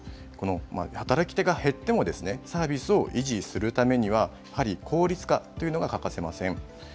働き手が減ってもサービスを維持するためには、やはり効率化というのが欠かせません。